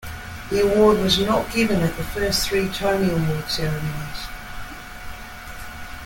The award was not given at the first three Tony Award ceremonies.